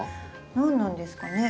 何なんですかね？